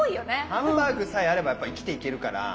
ハンバーグさえあればやっぱ生きていけるから。